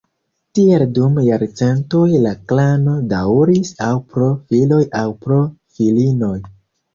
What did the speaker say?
Tiel dum jarcentoj la klano daŭris aŭ pro filoj aŭ pro filinoj.